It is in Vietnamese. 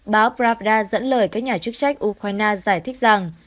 báo bra dẫn lời các nhà chức trách ukraine giải thích rằng